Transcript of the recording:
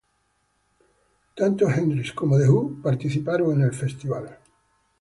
Tanto Hendrix como The Who, participaron en el festival.